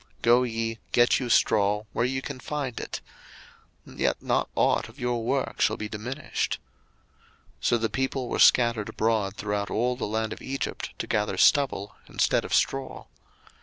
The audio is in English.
02:005:011 Go ye, get you straw where ye can find it: yet not ought of your work shall be diminished. 02:005:012 So the people were scattered abroad throughout all the land of Egypt to gather stubble instead of straw.